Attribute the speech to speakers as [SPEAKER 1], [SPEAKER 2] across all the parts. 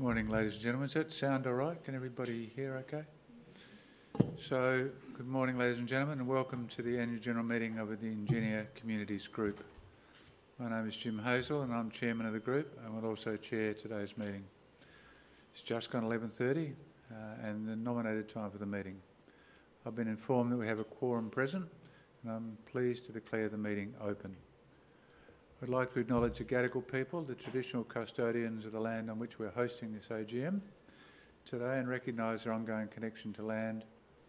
[SPEAKER 1] Good morning, ladies and gentlemen. Is that sound all right? Can everybody hear okay? Good morning, ladies and gentlemen, and welcome to the annual general meeting of the Ingenia Communities Group. My name is Jim Hazel, and I'm chairman of the group and will also chair today's meeting. It's just gone 11:30 A.M., and the nominated time for the meeting. I've been informed that we have a quorum present, and I'm pleased to declare the meeting open. I'd like to acknowledge the Gadigal people, the traditional custodians of the land on which we're hosting this AGM today, and recognize their ongoing connection to land,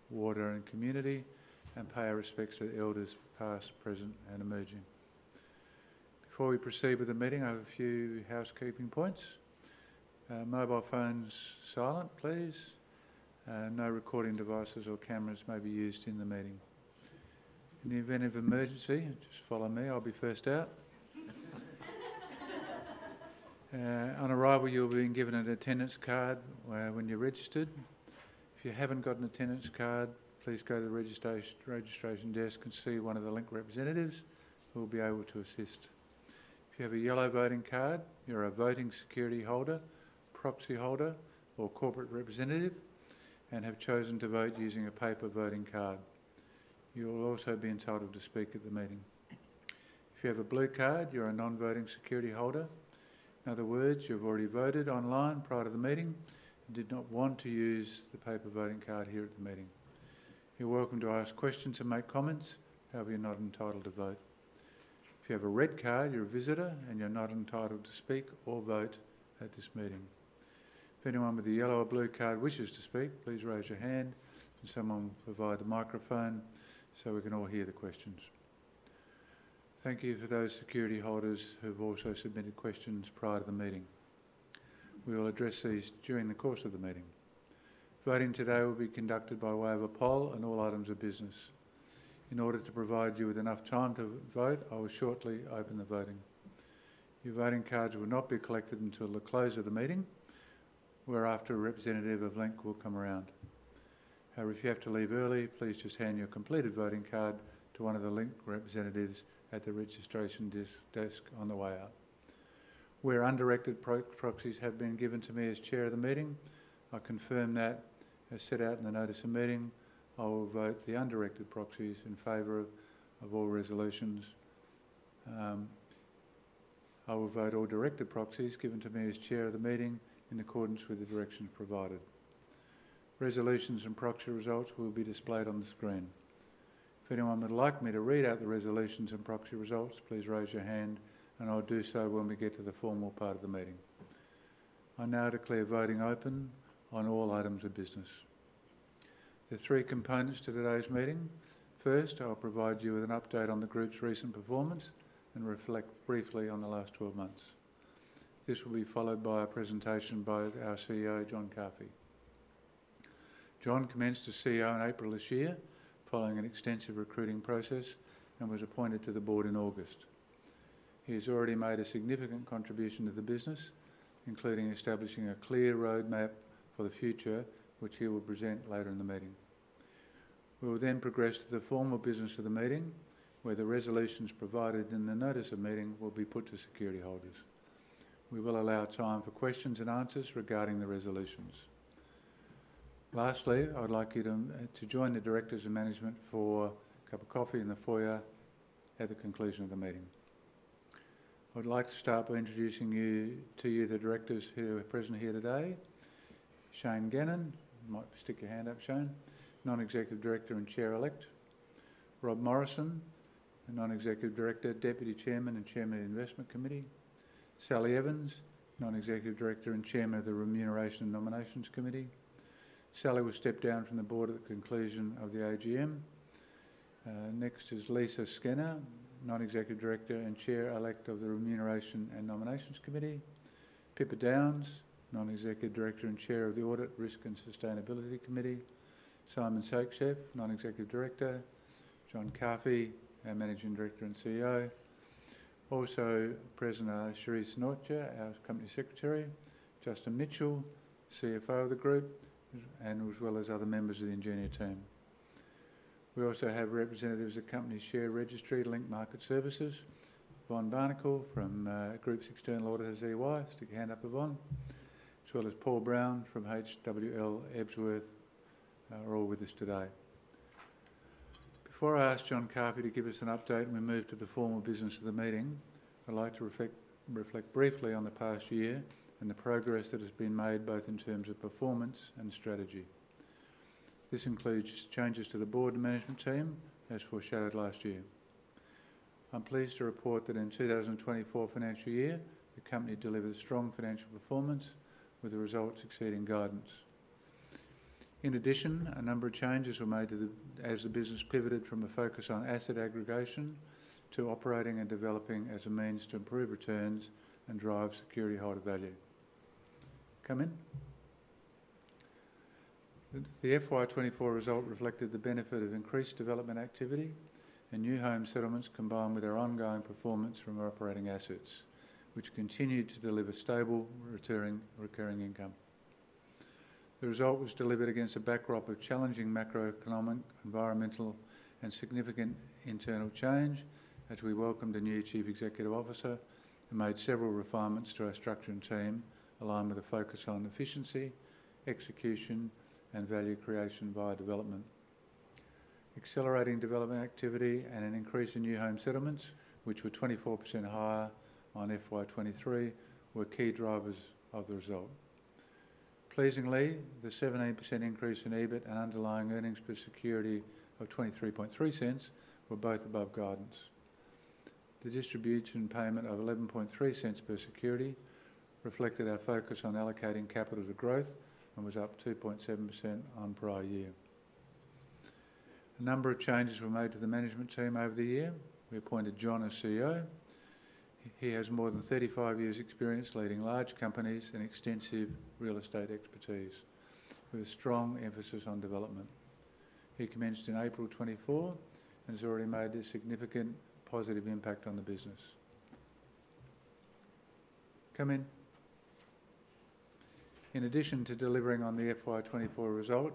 [SPEAKER 1] water, and community, and pay our respects to the elders past, present, and emerging. Before we proceed with the meeting, I have a few housekeeping points. Mobile phones silent, please. No recording devices or cameras may be used in the meeting. In the event of emergency, just follow me. I'll be first out. On arrival, you'll be given an attendance card when you're registered. If you haven't got an attendance card, please go to the registration desk and see one of the Link representatives. We'll be able to assist. If you have a yellow voting card, you're a voting security holder, proxy holder, or corporate representative, and have chosen to vote using a paper voting card. You will also be entitled to speak at the meeting. If you have a blue card, you're a non-voting security holder. In other words, you've already voted online prior to the meeting and did not want to use the paper voting card here at the meeting. You're welcome to ask questions and make comments. However, you're not entitled to vote. If you have a red card, you're a visitor, and you're not entitled to speak or vote at this meeting. If anyone with a yellow or blue card wishes to speak, please raise your hand, and someone will provide the microphone so we can all hear the questions. Thank you for those security holders who've also submitted questions prior to the meeting. We will address these during the course of the meeting. Voting today will be conducted by way of a poll and all items of business. In order to provide you with enough time to vote, I will shortly open the voting. Your voting cards will not be collected until the close of the meeting, whereafter a representative of Link will come around. However, if you have to leave early, please just hand your completed voting card to one of the Link representatives at the registration desk on the way out. Where undirected proxies have been given to me as chair of the meeting, I confirm that, as set out in the notice of meeting, I will vote the undirected proxies in favor of all resolutions. I will vote all directed proxies given to me as chair of the meeting in accordance with the directions provided. Resolutions and proxy results will be displayed on the screen. If anyone would like me to read out the resolutions and proxy results, please raise your hand, and I'll do so when we get to the formal part of the meeting. I now declare voting open on all items of business. There are three components to today's meeting. First, I'll provide you with an update on the group's recent performance and reflect briefly on the last 12 months. This will be followed by a presentation by our CEO, John Carfi. John commenced as CEO in April this year, following an extensive recruiting process, and was appointed to the board in August. He has already made a significant contribution to the business, including establishing a clear roadmap for the future, which he will present later in the meeting. We will then progress to the formal business of the meeting, where the resolutions provided in the notice of meeting will be put to security holders. We will allow time for questions and answers regarding the resolutions. Lastly, I'd like you to join the directors of management for a cup of coffee in the foyer at the conclusion of the meeting. I would like to start by introducing you to the directors who are present here today: Shane Gannon. You might stick your hand up, Shane. Non-executive director and chair-elect. Rob Morrison, a non-executive director, deputy chairman and chairman of the Investment Committee. Sally Evans, non-executive director and chairman of the Remuneration and Nominations Committee. Sally will step down from the board at the conclusion of the AGM. Next is Lisa Scenna, non-executive director and chair-elect of the Remuneration and Nominations Committee. Pippa Downes, non-executive director and chair of the Audit, Risk and Sustainability Committee. Simon Shakesheff, non-executive director. John Carfi, our Managing Director and CEO. Also present are Charisse Nortje, our company secretary. Justin Mitchell, CFO of the group, and as well as other members of the Ingenia team. We also have representatives of the company's share registry, Link Market Services. Yvonne Barnickel from Group's external auditor, EY, stick your hand up, Yvonne. As well as Paul Brown from HWL Ebsworth are all with us today. Before I ask John Carfi to give us an update and we move to the formal business of the meeting, I'd like to reflect briefly on the past year and the progress that has been made, both in terms of performance and strategy. This includes changes to the board management team, as foreshadowed last year. I'm pleased to report that in 2024 financial year, the company delivered strong financial performance with the results exceeding guidance. In addition, a number of changes were made as the business pivoted from a focus on asset aggregation to operating and developing as a means to improve returns and drive security holder value. Come in. The FY24 result reflected the benefit of increased development activity and new home settlements combined with our ongoing performance from our operating assets, which continued to deliver stable, recurring income. The result was delivered against a backdrop of challenging macroeconomic, environmental, and significant internal change, as we welcomed a new Chief Executive Officer and made several refinements to our structure and team, aligned with a focus on efficiency, execution, and value creation via development. Accelerating development activity and an increase in new home settlements, which were 24% higher on FY23, were key drivers of the result. Pleasingly, the 17% increase in EBIT and underlying earnings per security of 0.233 were both above guidance. The distribution payment of 0.113 per security reflected our focus on allocating capital to growth and was up 2.7% on prior year. A number of changes were made to the management team over the year. We appointed John as CEO. He has more than 35 years' experience leading large companies and extensive real estate expertise, with a strong emphasis on development. He commenced in April 2024 and has already made a significant positive impact on the business. Come in. In addition to delivering on the FY24 result,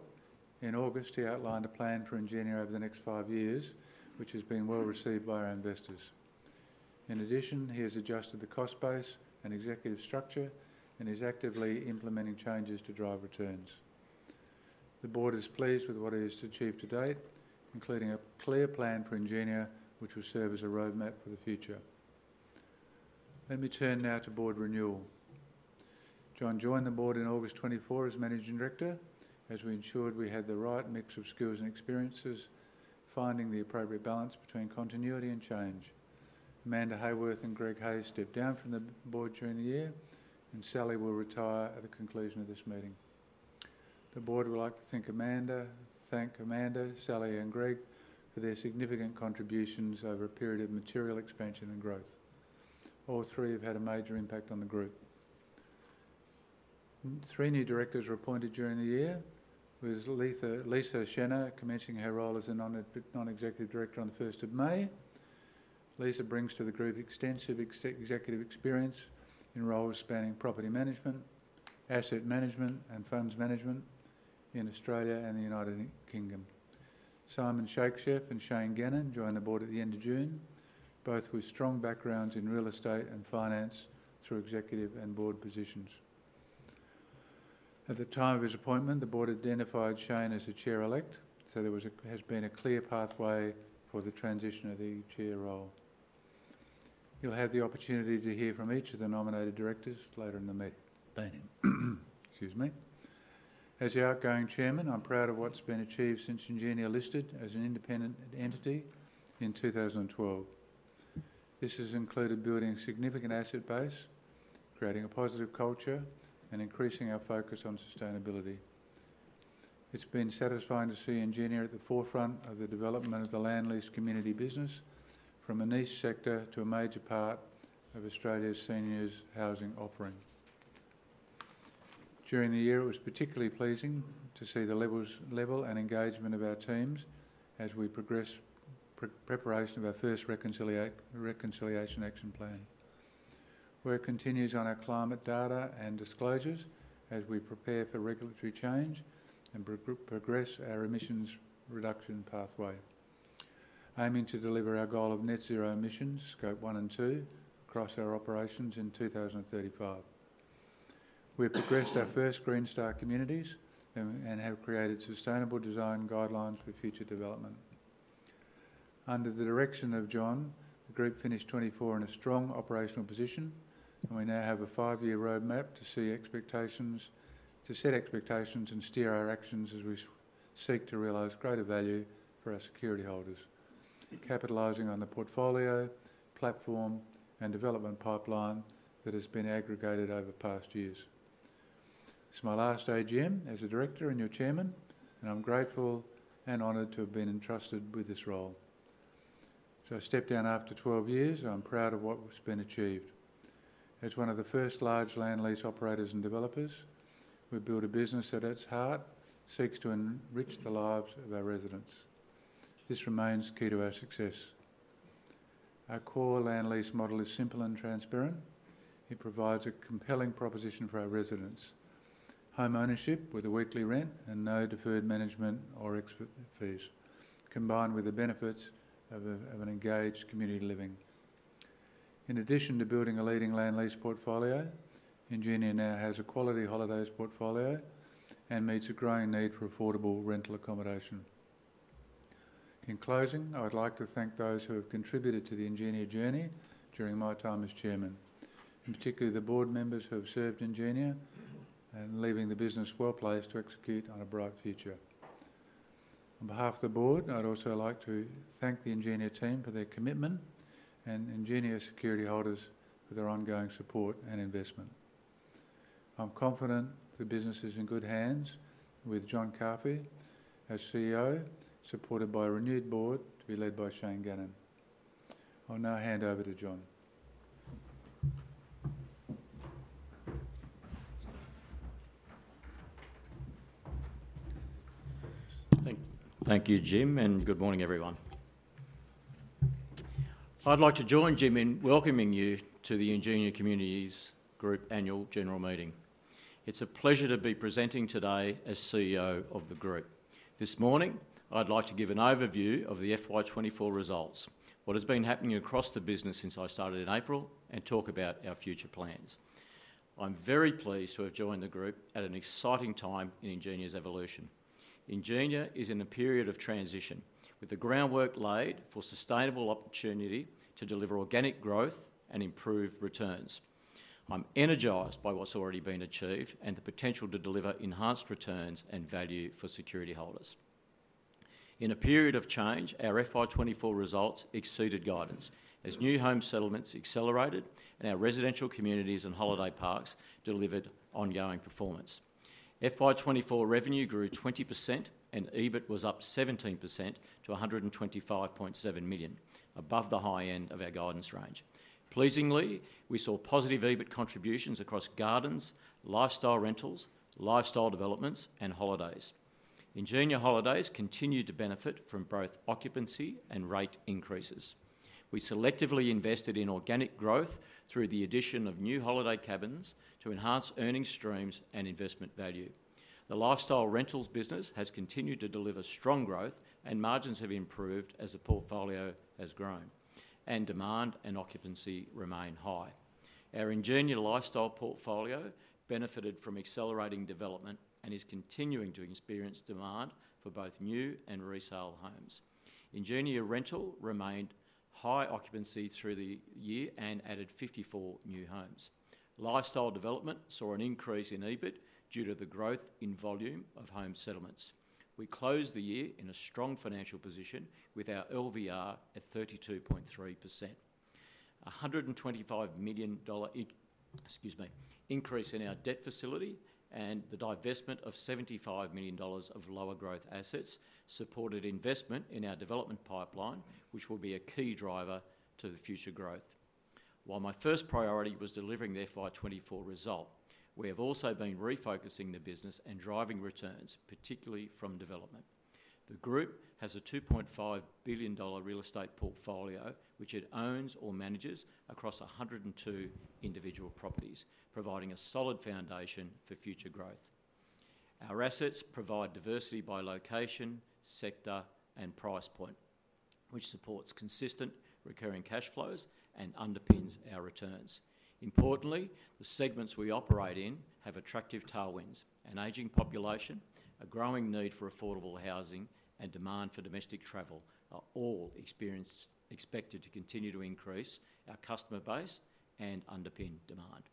[SPEAKER 1] in August, he outlined a plan for Ingenia over the next five years, which has been well received by our investors. In addition, he has adjusted the cost base and executive structure and is actively implementing changes to drive returns. The board is pleased with what he has achieved to date, including a clear plan for Ingenia, which will serve as a roadmap for the future. Let me turn now to board renewal. John joined the board in August 2024 as managing director, as we ensured we had the right mix of skills and experiences, finding the appropriate balance between continuity and change. Amanda Heyworth and Greg Hayes stepped down from the board during the year, and Sally will retire at the conclusion of this meeting. The board would like to thank Amanda, Sally, and Greg for their significant contributions over a period of material expansion and growth. All three have had a major impact on the group. Three new directors were appointed during the year, with Lisa Scenna commencing her role as a non-executive director on the 1st of May. Lisa brings to the group extensive executive experience in roles spanning property management, asset management, and funds management in Australia and the United Kingdom. Simon Shakesheff and Shane Gannon joined the board at the end of June, both with strong backgrounds in real estate and finance through executive and board positions. At the time of his appointment, the board identified Shane as a chair-elect, so there has been a clear pathway for the transition of the chair role. You'll have the opportunity to hear from each of the nominated directors later in the meeting. Excuse me. As the outgoing chairman, I'm proud of what's been achieved since Ingenia listed as an independent entity in 2012. This has included building a significant asset base, creating a positive culture, and increasing our focus on sustainability. It's been satisfying to see Ingenia at the forefront of the development of the land-lease community business, from a niche sector to a major part of Australia's seniors' housing offering. During the year, it was particularly pleasing to see the level and engagement of our teams as we progressed the preparation of our first Reconciliation Action Plan. Work continues on our climate data and disclosures as we prepare for regulatory change and progress our emissions reduction pathway, aiming to deliver our goal of net zero emissions, Scope 1 and 2, across our operations in 2035. We have progressed our first Green Star Communities and have created sustainable design guidelines for future development. Under the direction of John, the group finished 2024 in a strong operational position, and we now have a five-year roadmap to set expectations and steer our actions as we seek to realize greater value for our security holders, capitalizing on the portfolio, platform, and development pipeline that has been aggregated over past years. It's my last AGM as a director and your chairman, and I'm grateful and honored to have been entrusted with this role. So I step down after 12 years, and I'm proud of what's been achieved. As one of the first large land-lease operators and developers, we build a business at its heart that seeks to enrich the lives of our residents. This remains key to our success. Our core land-lease model is simple and transparent. It provides a compelling proposition for our residents: home ownership with a weekly rent and no deferred management or expert fees, combined with the benefits of an engaged community living. In addition to building a leading land-lease portfolio, Ingenia now has a quality Holidays portfolio and meets a growing need for affordable rental accommodation. In closing, I'd like to thank those who have contributed to the Ingenia journey during my time as chairman, and particularly the board members who have served Ingenia, leaving the business well placed to execute on a bright future. On behalf of the board, I'd also like to thank the Ingenia team for their commitment and Ingenia security holders for their ongoing support and investment. I'm confident the business is in good hands with John Carfi as CEO, supported by a renewed board to be led by Shane Gannon. I'll now hand over to John.
[SPEAKER 2] Thank you, Jim, and good morning, everyone. I'd like to join Jim in welcoming you to the Ingenia Communities Group annual general meeting. It's a pleasure to be presenting today as CEO of the group. This morning, I'd like to give an overview of the FY24 results, what has been happening across the business since I started in April, and talk about our future plans. I'm very pleased to have joined the group at an exciting time in Ingenia's evolution. Ingenia is in a period of transition, with the groundwork laid for sustainable opportunity to deliver organic growth and improve returns. I'm energized by what's already been achieved and the potential to deliver enhanced returns and value for security holders. In a period of change, our FY24 results exceeded guidance as new home settlements accelerated and our residential communities and holiday parks delivered ongoing performance. FY24 revenue grew 20%, and EBIT was up 17% to 125.7 million, above the high end of our guidance range. Pleasingly, we saw positive EBIT contributions across Gardens, Lifestyle Rentals, Lifestyle Developments, and Holidays. Ingenia Holidays continued to benefit from both occupancy and rate increases. We selectively invested in organic growth through the addition of new holiday cabins to enhance earnings streams and investment value. The Lifestyle rentals business has continued to deliver strong growth, and margins have improved as the portfolio has grown, and demand and occupancy remain high. Our Ingenia Lifestyle portfolio benefited from accelerating development and is continuing to experience demand for both new and resale homes. Ingenia Rental remained high occupancy through the year and added 54 new homes. Lifestyle development saw an increase in EBIT due to the growth in volume of home settlements. We closed the year in a strong financial position with our LVR at 32.3%. A 125 million dollar increase in our debt facility and the divestment of 75 million dollars of lower growth assets supported investment in our development pipeline, which will be a key driver to the future growth. While my first priority was delivering the FY24 result, we have also been refocusing the business and driving returns, particularly from development. The group has a 2.5 billion dollar real estate portfolio, which it owns or manages across 102 individual properties, providing a solid foundation for future growth. Our assets provide diversity by location, sector, and price point, which supports consistent recurring cash flows and underpins our returns. Importantly, the segments we operate in have attractive tailwinds. An aging population, a growing need for affordable housing, and demand for domestic travel are all expected to continue to increase our customer base and underpin demand.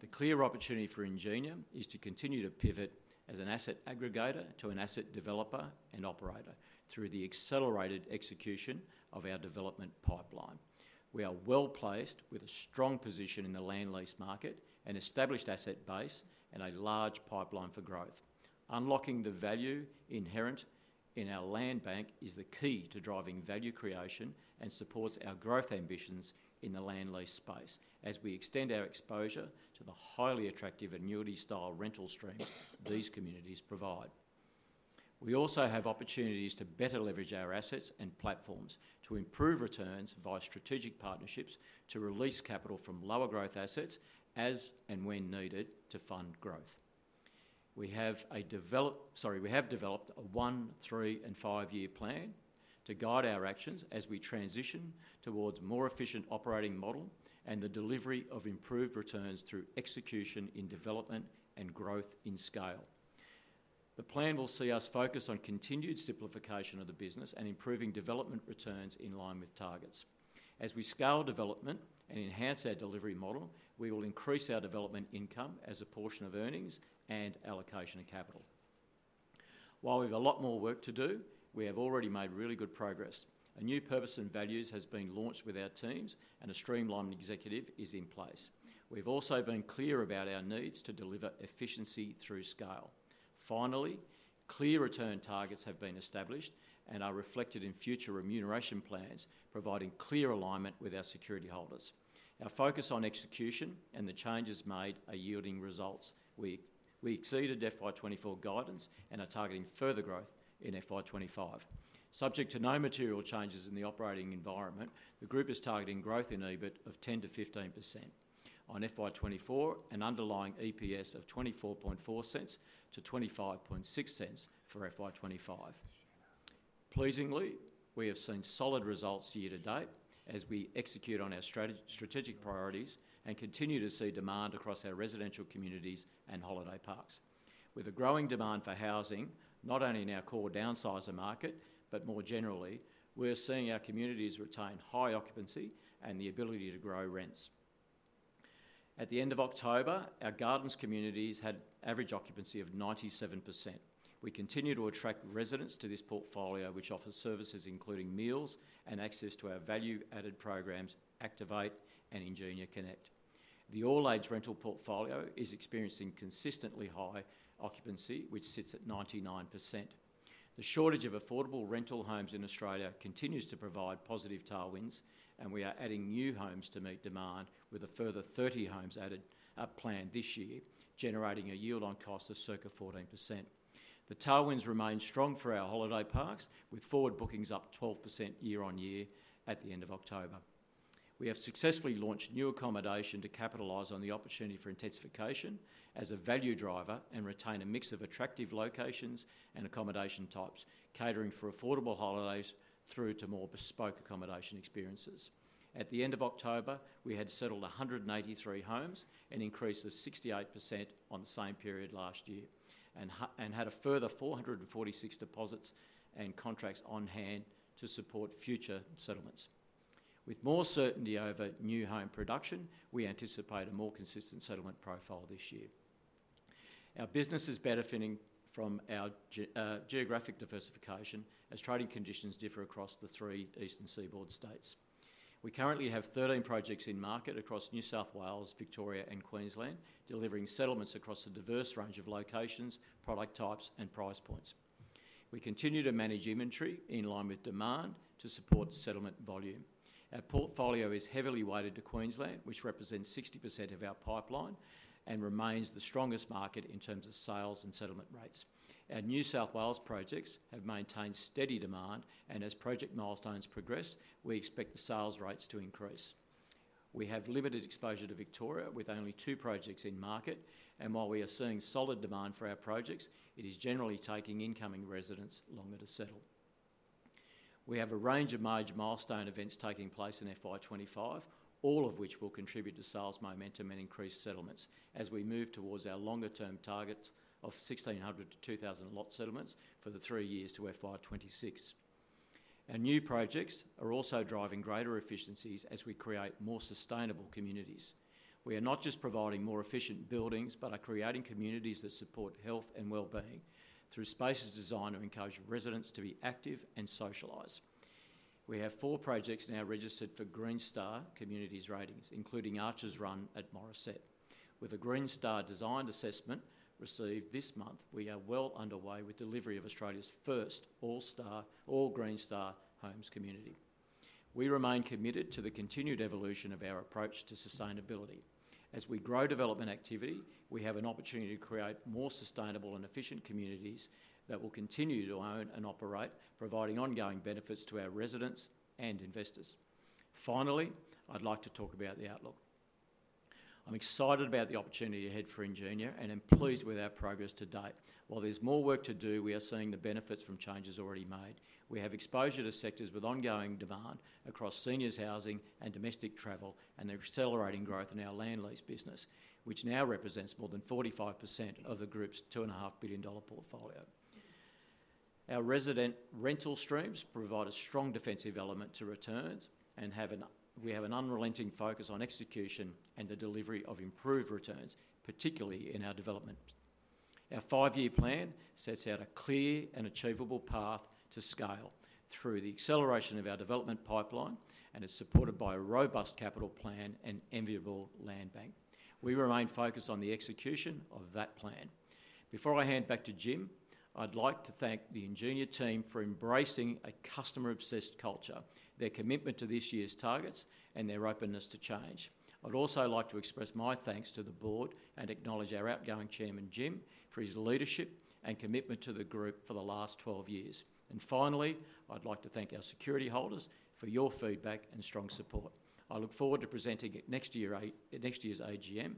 [SPEAKER 2] The clear opportunity for Ingenia is to continue to pivot as an asset aggregator to an asset developer and operator through the accelerated execution of our development pipeline. We are well placed with a strong position in the land-lease market, an established asset base, and a large pipeline for growth. Unlocking the value inherent in our land bank is the key to driving value creation and supports our growth ambitions in the land-lease space as we extend our exposure to the highly attractive annuity-style rental stream these communities provide. We also have opportunities to better leverage our assets and platforms to improve returns via strategic partnerships to release capital from lower growth assets as and when needed to fund growth. We have developed a one, three, and five-year plan to guide our actions as we transition towards a more efficient operating model and the delivery of improved returns through execution in development and growth in scale. The plan will see us focus on continued simplification of the business and improving development returns in line with targets. As we scale development and enhance our delivery model, we will increase our development income as a portion of earnings and allocation of capital. While we have a lot more work to do, we have already made really good progress. A new purpose and values has been launched with our teams, and a streamlined executive is in place. We've also been clear about our needs to deliver efficiency through scale. Finally, clear return targets have been established and are reflected in future remuneration plans, providing clear alignment with our security holders. Our focus on execution and the changes made are yielding results. We exceeded FY24 guidance and are targeting further growth in FY25. Subject to no material changes in the operating environment, the group is targeting growth in EBIT of 10%-15%. On FY24, an underlying EPS of 0.244-0.256 for FY25. Pleasingly, we have seen solid results year to date as we execute on our strategic priorities and continue to see demand across our residential communities and holiday parks. With a growing demand for housing, not only in our core downsizer market, but more generally, we're seeing our communities retain high occupancy and the ability to grow rents. At the end of October, our Gardens communities had an average occupancy of 97%. We continue to attract residents to this portfolio, which offers services including meals and access to our value-added programs, Activate and Ingenia Connect.
[SPEAKER 1] The all-age rental portfolio is experiencing consistently high occupancy, which sits at 99%. The shortage of affordable rental homes in Australia continues to provide positive tailwinds, and we are adding new homes to meet demand with a further 30 homes planned this year, generating a yield on cost of circa 14%. The tailwinds remain strong for our holiday parks, with forward bookings up 12% year on year at the end of October. We have successfully launched new accommodation to capitalize on the opportunity for intensification as a value driver and retain a mix of attractive locations and accommodation types, catering for affordable holidays through to more bespoke accommodation experiences. At the end of October, we had settled 183 homes, an increase of 68% on the same period last year, and had a further 446 deposits and contracts on hand to support future settlements.
[SPEAKER 2] With more certainty over new home production, we anticipate a more consistent settlement profile this year. Our business is benefiting from our geographic diversification as trading conditions differ across the three eastern seaboard states. We currently have 13 projects in market across New South Wales, Victoria, and Queensland, delivering settlements across a diverse range of locations, product types, and price points. We continue to manage inventory in line with demand to support settlement volume. Our portfolio is heavily weighted to Queensland, which represents 60% of our pipeline and remains the strongest market in terms of sales and settlement rates. Our New South Wales projects have maintained steady demand, and as project milestones progress, we expect the sales rates to increase. We have limited exposure to Victoria with only two projects in market, and while we are seeing solid demand for our projects, it is generally taking incoming residents longer to settle. We have a range of major milestone events taking place in FY25, all of which will contribute to sales momentum and increased settlements as we move towards our longer-term targets of 1,600 to 2,000 lot settlements for the three years to FY26. Our new projects are also driving greater efficiencies as we create more sustainable communities. We are not just providing more efficient buildings but are creating communities that support health and well-being through spaces designed to encourage residents to be active and socialize. We have four projects now registered for Green Star Communities ratings, including Archers Run at Morisset. With a Green Star-designed assessment received this month, we are well underway with delivery of Australia's first all-star home community. We remain committed to the continued evolution of our approach to sustainability. As we grow development activity, we have an opportunity to create more sustainable and efficient communities that will continue to own and operate, providing ongoing benefits to our residents and investors. Finally, I'd like to talk about the outlook. I'm excited about the opportunity ahead for Ingenia and am pleased with our progress to date. While there's more work to do, we are seeing the benefits from changes already made. We have exposure to sectors with ongoing demand across seniors' housing and domestic travel and accelerating growth in our land-lease business, which now represents more than 45% of the group's 2.5 billion dollar portfolio. Our resident rental streams provide a strong defensive element to returns, and we have an unrelenting focus on execution and the delivery of improved returns, particularly in our development. Our five-year plan sets out a clear and achievable path to scale through the acceleration of our development pipeline and is supported by a robust capital plan and enviable land bank. We remain focused on the execution of that plan. Before I hand back to Jim, I'd like to thank the Ingenia team for embracing a customer-obsessed culture, their commitment to this year's targets, and their openness to change. I'd also like to express my thanks to the board and acknowledge our outgoing chairman, Jim, for his leadership and commitment to the group for the last 12 years. And finally, I'd like to thank our security holders for your feedback and strong support. I look forward to presenting next year's AGM.